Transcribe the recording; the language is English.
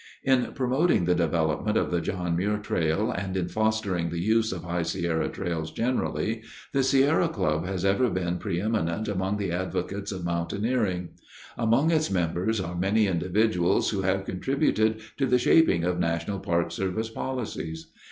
In promoting the development of the John Muir Trail and in fostering the use of High Sierra trails, generally, the Sierra Club has ever been preëminent among the advocates of mountaineering. Among its members are many individuals who have contributed to the shaping of National Park Service policies.